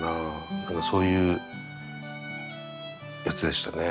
そういうやつでしたね。